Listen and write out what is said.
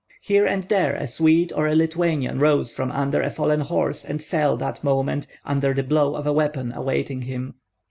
Here and there a Swede or a Lithuanian rose from under a fallen horse and fell that moment under the blow of a weapon awaiting him.